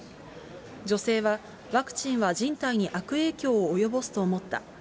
女性は、ワクチンは人体に悪影響を及ぼすと思った。